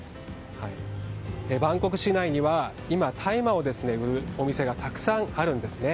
バンコク市内には今、大麻を売るお店がたくさんあるんですね。